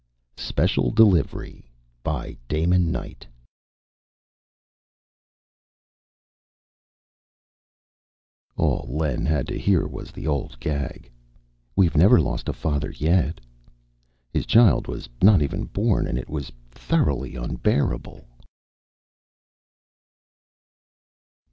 Special Delivery By DAMON KNIGHT Illustrated by ASHMAN _All Len had to hear was the old gag: "We've never lost a father yet." His child was not even born and it was thoroughly unbearable!